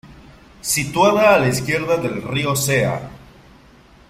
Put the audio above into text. Situada a la izquierda del río Cea.